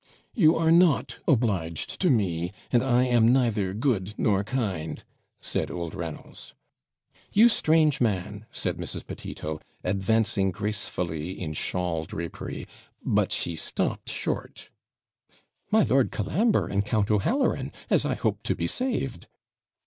'You are not obliged to me, and I am neither good nor kind,' said old Reynolds. 'You strange man,' said Mrs. Petito, advancing graceful in shawl drapery; but she stopped short. 'My Lord Colambre and Count O'Halloran, as I hope to be saved!'